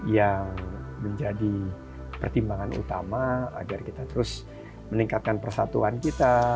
yang menjadi pertimbangan utama agar kita terus meningkatkan persatuan kita